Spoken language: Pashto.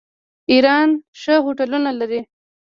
ایران ښه هوټلونه لري.